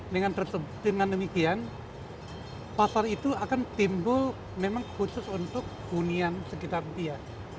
dengan demikian pasar itu akan timbul memang khusus untuk hunian sekitar dia